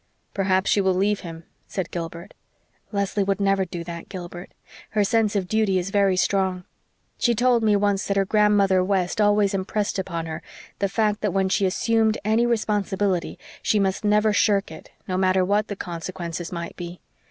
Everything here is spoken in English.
"Perhaps she will leave him," said Gilbert. "Leslie would never do that, Gilbert. Her sense of duty is very strong. She told me once that her Grandmother West always impressed upon her the fact that when she assumed any responsibility she must never shirk it, no matter what the consequences might be.